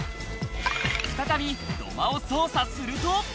再び土間を捜査すると。